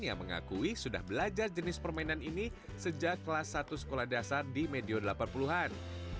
yang mengakui sudah belajar jenis permainan ini sejak kelas satu sekolah dasar di medio delapan puluh an